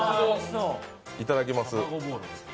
いただきます。